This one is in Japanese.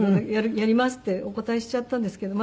やりますってお答えしちゃったんですけど。